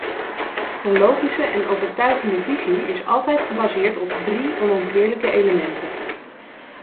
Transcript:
Een logische en overtuigende visie is altijd gebaseerd op drie onontbeerlijke elementen.